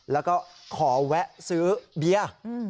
แล้วก็ขอแวะซื้อเบียร์